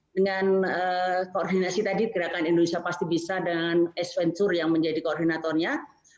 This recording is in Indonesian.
dengan koordinasi tadi gerakan indonesia pasti bisa dengan es venture yang menjadi koordinatornya